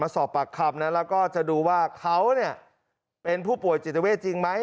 สอบปากคำนะแล้วก็จะดูว่าเขาเป็นผู้ป่วยจิตเวทจริงไหม